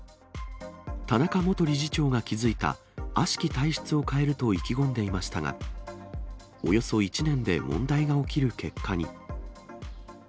田中元理事長が築いたあしき体質を変えると意気込んでいましたが、およそ１年で問題が起きる結果に。